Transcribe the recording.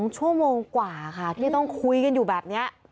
๒ชั่วโมงกว่าค่ะที่ต้องคุยกันอยู่แบบนี้